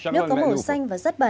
nước có màu xanh và rất bẩn